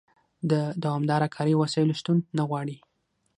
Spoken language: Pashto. د دوامداره کاري وسایلو شتون نه غواړي.